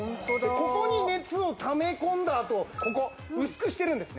ここに熱をため込んだあとここ薄くしてるんですね